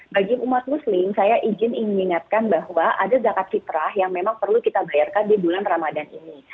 bagi umat muslim saya izin ingin mengingatkan bahwa ada zakat fitrah yang memang perlu kita bayarkan di bulan ramadan ini